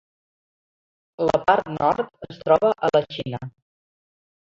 La part nord es troba a la Xina.